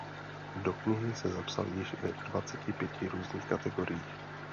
Do knihy se zapsal již ve dvaceti pěti různých kategoriích.